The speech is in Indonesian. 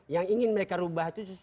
yang ingin mereka ubah itu justru untuk